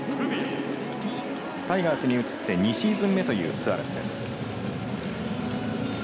タイガースに移って２シーズン目というスアレスです。